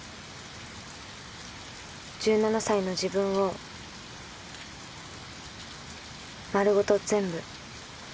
１７歳の自分を丸ごと全部。